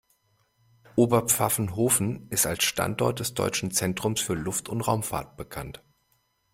Oberpfaffenhofen ist als Standort des Deutschen Zentrums für Luft- und Raumfahrt bekannt.